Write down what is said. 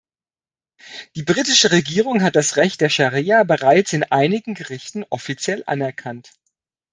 Die britische Regierung hat das Recht der Scharia bereits in einigen Gerichten offiziell anerkannt.